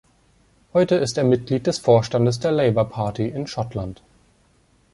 Heute ist er Mitglied des Vorstandes der Labour Party in Schottland.